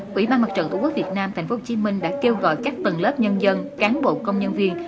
quỹ ban mặt trận tổ quốc việt nam tp hcm đã kêu gọi các tầng lớp nhân dân cán bộ công nhân viên